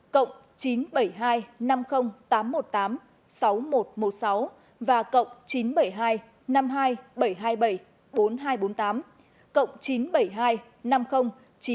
cộng chín trăm bảy mươi hai năm mươi tám trăm một mươi tám sáu nghìn một trăm một mươi sáu và cộng chín trăm bảy mươi hai năm mươi hai bảy trăm hai mươi bảy bốn nghìn hai trăm bốn mươi tám cộng chín trăm bảy mươi hai năm mươi chín trăm chín mươi bốn tám trăm tám mươi chín